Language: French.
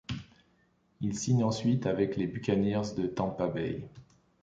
Il signe ensuite avec les Buccaneers de Tampa Bay.